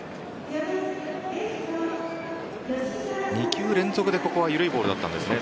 ２球連続でここは緩いボールだったんですね。